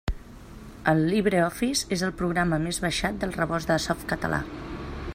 El LibreOffice és el programa més baixat del Rebost de Softcatalà.